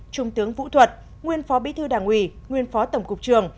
trung tướng vũ thuật nguyên phó bí thư đảng ủy nguyên phó tổng cục trường